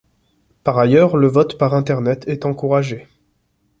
Par ailleurs, le vote par internet est encouragé.